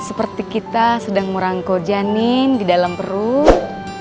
seperti kita sedang merangkul janin di dalam perut